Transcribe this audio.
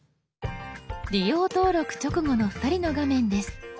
利用登録直後の２人の画面です。